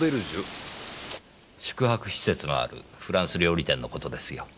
宿泊施設のあるフランス料理店のことですよ。